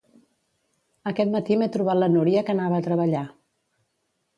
Aquest matí m'he trobat la Núria que anava a treballar